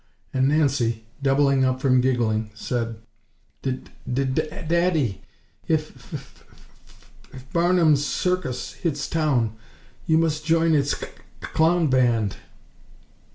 And Nancy, doubling up from giggling, said: "D d daddy! If f f f B b b barnum's circus hits town, you must join its cl cl clown band!"